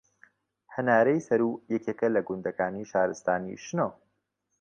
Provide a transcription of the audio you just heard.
هەنارەی سەروو یەکێکە لە گوندەکانی شارستانی شنۆ